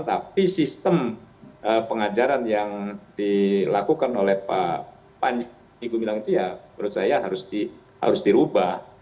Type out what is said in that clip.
tapi sistem pengajaran yang dilakukan oleh pak panji gumilang itu ya menurut saya harus dirubah